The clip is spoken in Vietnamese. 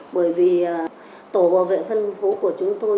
bởi vì tổ bảo vệ phân phố của chúng tôi